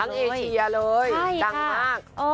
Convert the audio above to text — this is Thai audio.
ทั้งเอเชียเลยดังมาก